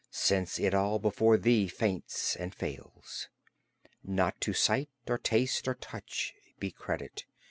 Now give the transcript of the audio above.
Since it all before thee faints and fails. Not to sight, or taste, or touch be credit.